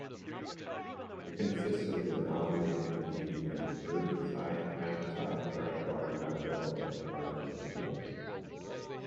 It consists of the amalgamated communities of Jerseyside, Townside, Freshwater, Dunville and Argentia.